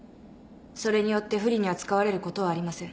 それによって不利に扱われることはありません。